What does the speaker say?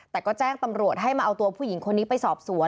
แต่ก็แจ้งตำรวจให้มาเอาตัวผู้หญิงคนนี้ไปสอบสวน